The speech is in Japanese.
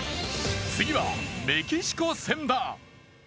次はメキシコ戦だ。